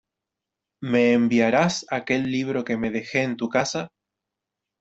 ¿Me enviarás aquel libro que me dejé en tu casa?